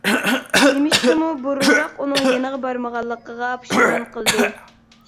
نېمىشقىمۇ بۇرۇنراق ئۇنىڭ يېنىغا بارمىغانلىقىغا پۇشايمان قىلدى.